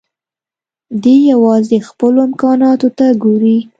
دی يوازې خپلو امکاناتو ته ګوري.